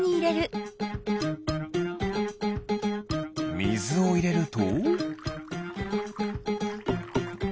みずをいれると？